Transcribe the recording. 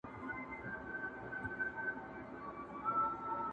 چا مي وویل په غوږ کي،